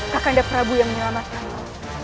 kapan ada prabu yang menyelamatkanmu